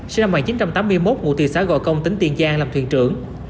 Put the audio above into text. sinh năm một nghìn chín trăm tám mươi một ngụ từ xã gò công tỉnh tiền giang làm thuyền trưởng